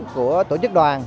của tổ chức đoàn